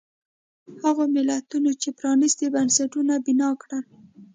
هغو ملتونو چې پرانیستي بنسټونه بنا کړل.